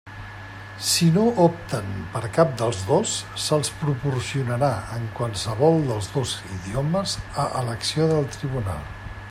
Si no opten per cap dels dos, se'ls proporcionarà en qualsevol dels dos idiomes, a elecció del tribunal.